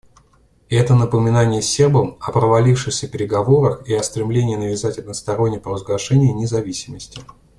Это напоминание сербам о провалившихся переговорах и о стремлении навязать одностороннее провозглашение независимости.